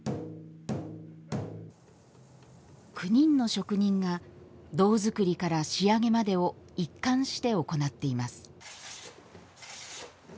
９人の職人が胴作りから仕上げまでを一貫して行っています。